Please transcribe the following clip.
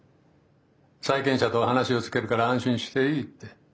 債権者とは話をつけるから安心していい」って。